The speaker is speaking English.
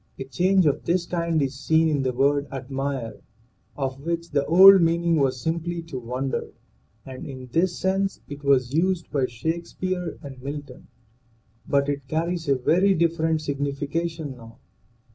A change of this kind is seen in the word admire, of which the old meaning was simply to wonder, and in this sense it was used by Shake speare and Milton. But it carries a very different sig nification now.